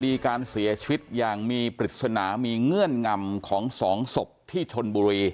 การเสียชีวิตอย่างมีปริศนามีเงื่อนงำของสองศพที่ชนบุรี